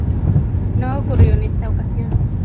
No ocurrió en esta ocasión.